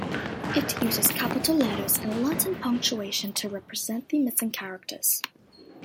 It uses capital letters and Latin punctuation to represent the missing characters.